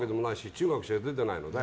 中学しか出てないので。